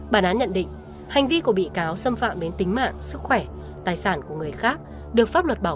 bản án nhận định hành vi của bị cáo xâm phạm đến tính mạng sức khỏe tài sản của người khác